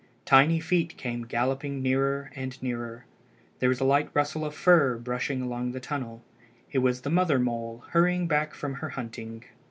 Tiny feet came galloping nearer and nearer. There was a light rustle of fur brushing along the tunnel. It was the mother mole hurrying back from her hunting.